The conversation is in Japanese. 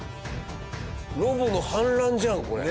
ロボの反乱じゃんこれ。